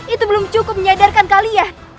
itu belum cukup menyadarkan kalian